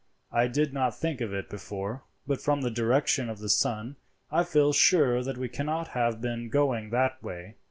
I did not think of it before, but from the direction of the sun I feel sure that we cannot have been going that way.